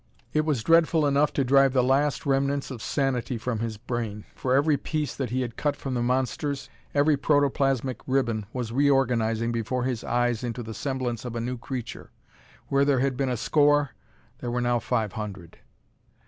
It was dreadful enough to drive the last remnants of sanity from his brain. For every piece that he had cut from the monsters, every protoplasmic ribbon was reorganizing before his eyes into the semblance of a new creature. Where there had been a score, there were now five hundred!